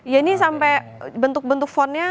ya ini sampai bentuk bentuk fontnya sama loh